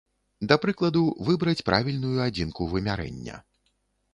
Да прыкладу, выбраць правільную адзінку вымярэння.